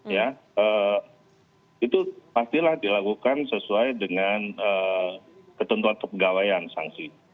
ya itu pastilah dilakukan sesuai dengan ketentuan kepegawaian sanksi